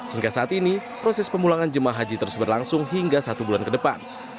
hingga saat ini proses pemulangan jemaah haji terus berlangsung hingga satu bulan ke depan